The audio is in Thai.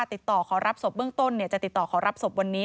ติดต่อขอรับศพเบื้องต้นจะติดต่อขอรับศพวันนี้